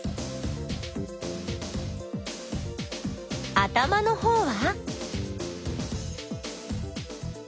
頭のほうは？